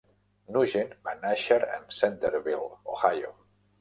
Nugent va nàixer en Centerville, Ohio.